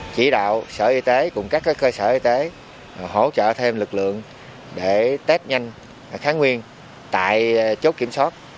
chỉ đạo sở y tế cùng các cơ sở y tế hỗ trợ thêm lực lượng để test nhanh kháng nguyên tại chốt kiểm soát